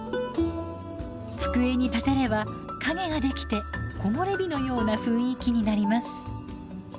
机に立てれば影ができて木漏れ日のような雰囲気になります。